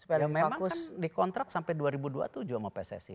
memang dikontrak sampai dua ribu dua puluh tujuh sama pssi